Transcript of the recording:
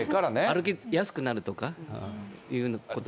歩きやすくなるとかということは？